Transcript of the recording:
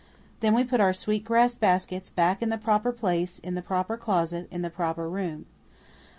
Then we put our sweet grass baskets back in the proper place in the proper closet in the proper room.